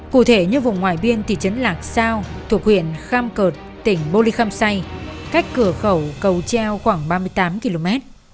cụ thể như vùng ngoài biên thị trấn lạc sao thuộc huyện kham cợt tỉnh bô ly khâm say cách cửa khẩu cầu treo khoảng ba mươi tám km